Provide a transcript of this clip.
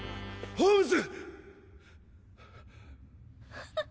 ホームズ！